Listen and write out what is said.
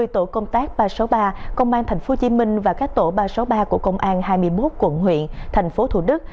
hai mươi tổ công tác ba trăm sáu mươi ba công an tp hcm và các tổ ba trăm sáu mươi ba của công an hai mươi một quận huyện thành phố thủ đức